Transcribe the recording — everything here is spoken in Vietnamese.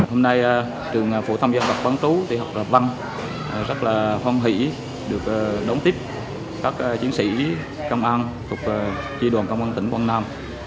hôm nay trường phổ thông dân vật văn trú tỉ hợp văn rất là phong hỷ được đón tiếp các chiến sĩ công an thuộc chi đoàn công an tỉnh quang nam